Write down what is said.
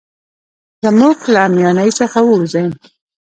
زموږ له اميانۍ څخه ووزي.